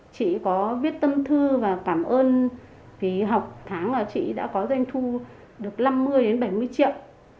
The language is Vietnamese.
chị có viết tâm thư và cảm ơn vì học tháng là chị đã có doanh thu được năm mươi bảy mươi triệu